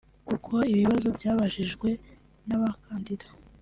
kuko ibibazo byabajijwe n’abakandida